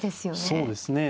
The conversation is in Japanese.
そうですねほぼ。